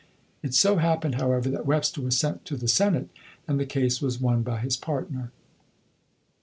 It so happened, however, that Webster was sent to the Senate, and the case was won by his partner.